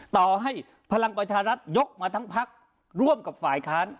ต่อให้พลังประชารัฐยกมาทั้งพักร่วมกับฝ่ายค้าน